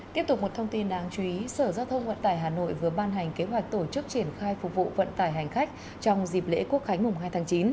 tiếp tục một thông tin đáng chú ý sở giao thông vận tải hà nội vừa ban hành kế hoạch tổ chức triển khai phục vụ vận tải hành khách trong dịp lễ quốc khánh mùng hai tháng chín